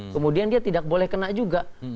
kemudian dia tidak boleh kena juga